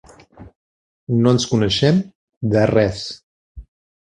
No ens coneixem de res.